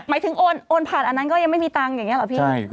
หมายถึงโอนผ่านอันนั้นก็ยังไม่มีตังค์อย่างนี้หรอพี่